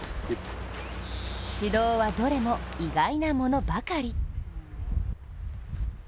指導はどれも意外なものばかり。